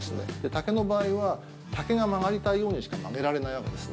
竹の場合は、竹が曲がりたいようにしか曲げられないわけです。